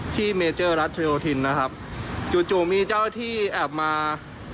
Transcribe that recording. ที่เมเจอร์รัฐชัยโยธินทร์นะครับจู่มีเจ้าหน้าที่แอบมา